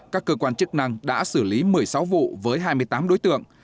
các cơ quan chức năng đã xử lý một mươi sáu vụ với hai mươi tám đối tượng